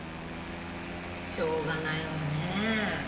しょうがないわね。